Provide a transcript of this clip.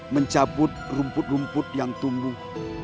mencabut rumput rumput yang tumbuh